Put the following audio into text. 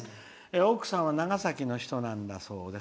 奥さんは長崎の人なんだそうです。